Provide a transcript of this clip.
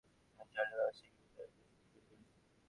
তিনি চার্লির ব্যবসায়িক বিষয়াবলী তাদারকি শুরু করেন।